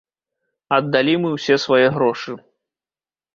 Аддалі мы ўсе свае грошы.